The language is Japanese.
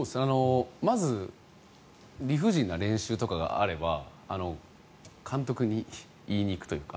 まず理不尽な練習とかがあれば監督に言いに行くというか。